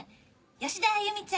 吉田歩美ちゃん。